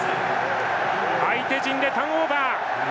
相手陣でターンオーバー。